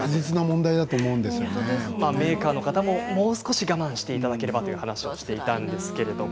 メーカーの方ももう少し我慢していただければという話をしていました。